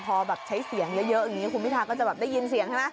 พอแบบใช้เสียงเยอะอย่างนี้คุณพิทาก็จะแบบได้ยินเสียงใช่ไหม